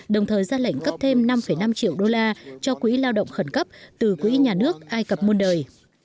đồng thời ra lệnh cấp thêm năm năm triệu đô la cho quỹ lao động khẩn cấp từ quỹ nhà nước ai cập muôn đời